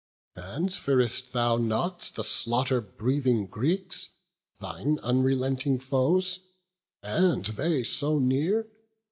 And fear'st thou not the slaughter breathing Greeks, Thine unrelenting foes, and they so near?